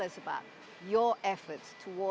usaha anda untuk meningkatkan